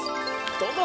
どうぞ。